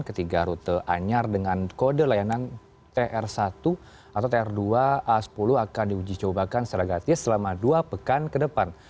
ketiga rute anyar dengan kode layanan tr satu atau tr dua a sepuluh akan diuji cobakan secara gratis selama dua pekan ke depan